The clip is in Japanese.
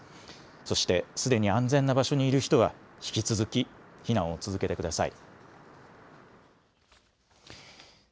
そしてすでに安全な場所にいる人は引き続き避難を続けてください。